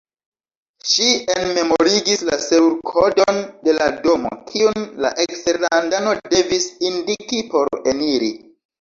Ŝi enmemorigis la serurkodon de la domo, kiun la eksterlandano devis indiki por eniri.